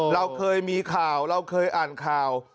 เราเคยมีข่าวเราเคยอ่านข่าว